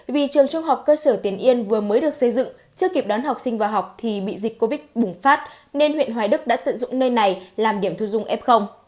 vì trường trung học cơ sở tiền yên vừa mới được xây dựng chưa kịp đón học sinh vào học thì bị dịch covid bùng phát nên huyện hoài đức đã tận dụng nơi này làm điểm thu dung f